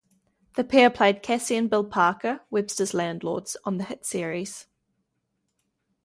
The pair played Cassie and Bill Parker, Webster's landlords, on the hit series.